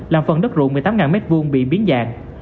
làm phần đất rộng một mươi tám m hai bị biến dạng